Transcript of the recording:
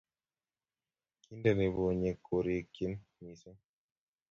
Kinteni bunyik korikchin mising